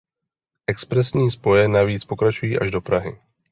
Expresní spoje navíc pokračují až do Prahy.